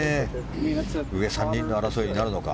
上３人の争いになるのか。